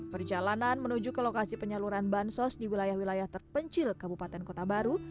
perjalanan menuju ke lokasi penyaluran bansos di wilayah wilayah terpencil kabupaten kota baru